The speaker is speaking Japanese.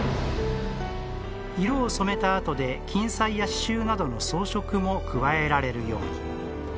色を染めたあとで金彩や刺繍などの装飾も加えられるように。